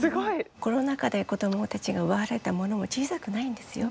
コロナ禍で子どもたちが奪われたものも小さくないんですよ。